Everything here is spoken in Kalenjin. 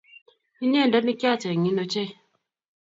inyendet nikyachengin ochei